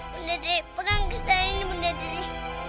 bunda dari pegang kristal ini bunda dari